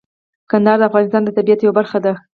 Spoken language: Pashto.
کندهار د افغانستان د طبیعت یوه برخه ده.